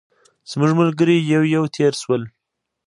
زموږ ملګري یو یو تېر شول.